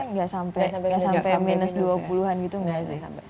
tidak sampai minus dua puluh an gitu nggak sih